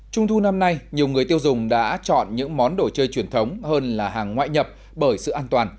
trung thu năm nay nhiều người tiêu dùng đã chọn những món đồ chơi truyền thống hơn là hàng ngoại nhập bởi sự an toàn